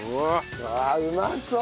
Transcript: うわあうまそう！